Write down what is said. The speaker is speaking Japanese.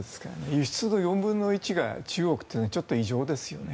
輸出の４分の１が中国というのはちょっと異常ですよね。